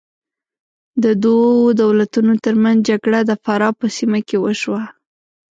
د دوو دولتونو تر منځ جګړه د فراه په سیمه کې وشوه.